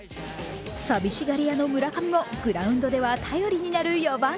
寂しがり屋の村上も、グラウンドでは頼りになる４番。